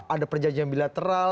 ada perjanjian bilateral